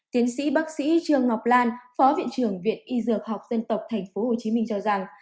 tiến sĩ bác sĩ trương ngọc lan phó viện trưởng viện y dược học dân tộc tp hcm cho rằng